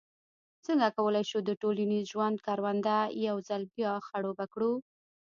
څنګه کولای شو د ټولنیز ژوند کرونده یو ځل بیا خړوبه کړو.